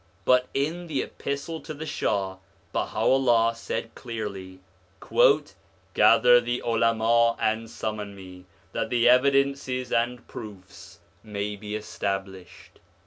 But in the Epistle to the Shah, Baha'u'llah said clearly, ' Gather the Ulama and summon me, that the evidences and proofs may be established.'